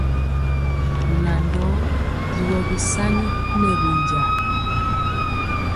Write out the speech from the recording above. Nan dɔɔ digɔ bisani y nɛ bɛnja.